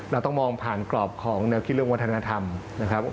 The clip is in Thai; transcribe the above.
เราต้องมองผ่านกรอบของแนวคิดเรื่องวัฒนธรรมนะครับ